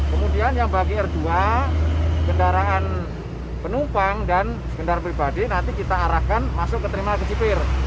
kemudian yang bagi r dua kendaraan penumpang dan kendaraan pribadi nanti kita arahkan masuk ke terminal kecipir